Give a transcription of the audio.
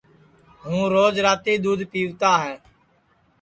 ہوں روج راتی دؔودھ پیوتا ہے